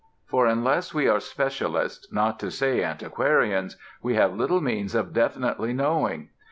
For unless we are specialists, not to say antiquarians, we have little means of definitely knowing.